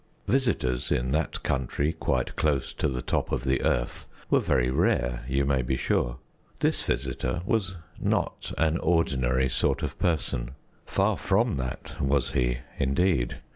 Visitors in that country quite close to the top of the earth were very rare, you may be sure. This visitor was not an ordinary sort of person; far from that was he, indeed.